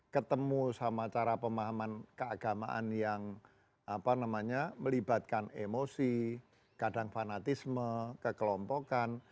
ketemu sama cara pemahaman keagamaan yang melibatkan emosi kadang fanatisme kekelompokan